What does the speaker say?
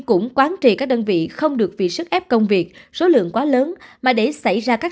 cũng quán trị các đơn vị không được vì sức ép công việc số lượng quá lớn mà để xảy ra các